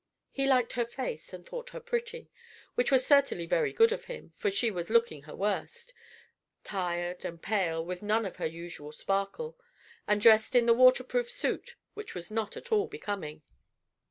He liked her face, and thought her pretty, which was certainly very good of him, for she was looking her worst tired and pale, with none of her usual sparkle, and dressed in the water proof suit which was not at all becoming.